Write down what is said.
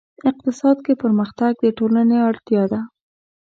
اقتصاد کې پرمختګ د ټولنې اړتیا ده.